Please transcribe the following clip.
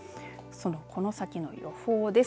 この先の予報です。